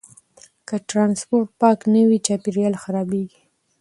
که ټرانسپورټ پاک نه وي، چاپیریال خرابېږي.